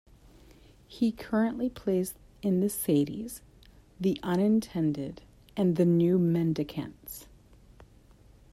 He currently plays in The Sadies, The Unintended and The New Mendicants.